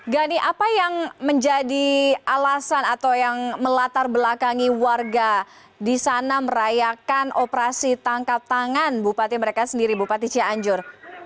gani apa yang menjadi alasan atau yang melatar belakangi warga di sana merayakan operasi tangkap tangan bupati mereka sendiri bupati cianjur